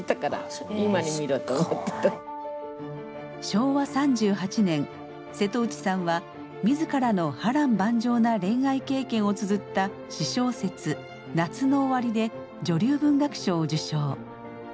昭和３８年瀬戸内さんは自らの波乱万丈な恋愛経験をつづった私小説「夏の終り」で女流文学賞を受賞。